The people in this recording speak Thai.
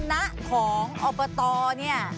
คณะของอปตเนี่ย